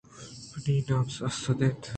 منی نام اسد انت